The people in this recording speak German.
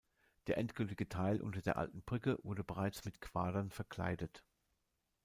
Der endgültige Teil unter der alten Brücke wurde bereits mit Quadern verkleidet.